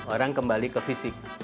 orang kembali ke fisik